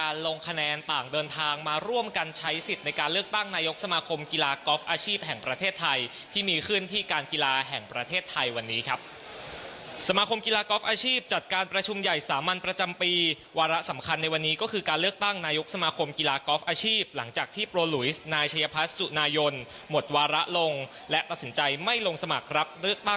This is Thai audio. รายงานจากอาคารการกีฬาแห่งประเทศไทยครับ